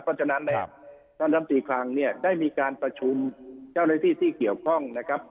เพราะฉะนั้นนะครับท่านลำตีคลังเนี่ยได้มีการประชุมเจ้าหน้าที่ที่เกี่ยวข้องนะครับ